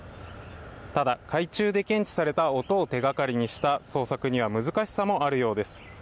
ただ、海中で検知された音を手がかりにした捜索には難しさもあるようです。